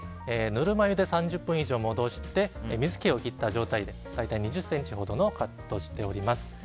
ぬるま湯で３０分以上戻して水気を切った状態で大体２０ｃｍにカットしてあります。